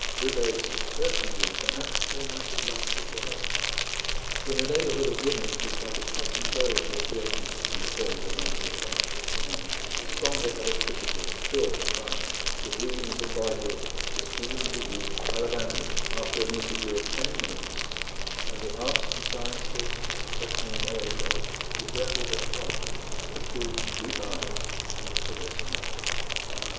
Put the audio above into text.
With a Cistercian rule, perhaps they might have lasted longer. In the neighbourhood of women it is but a touch and go association that can be formed among defenceless men; the stronger electricity is sure to triumph; the dreams of boyhood, the schemes of youth, are abandoned after an interview of ten minutes, and the arts and sciences, and professional male jollity, deserted at once for two sweet eyes and a caressing accent.